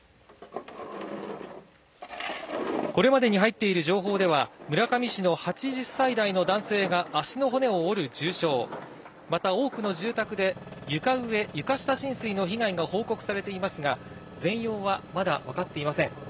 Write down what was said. これまでに入っている情報では、村上市の８０歳代の男性が足の骨を折る重傷、また多くの住宅で床上、床下浸水の被害が報告されていますが、全容はまだ分かっていません。